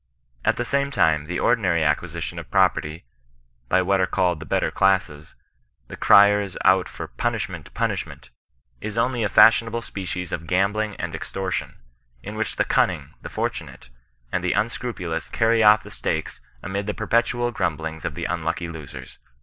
At the same time the ordinary ac quisition of property, by what are called the better classes, the criers out for " punishment, punishment," is only a fEishionable species of gambling and extortion, in which the cunning, the fortunate, and the unscrupu lous carry off the stakes amid the perpetual grumblings of the unlucky losers.